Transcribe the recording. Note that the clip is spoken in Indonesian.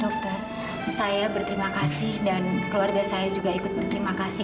dokter saya berterima kasih dan keluarga saya juga ikut berterima kasih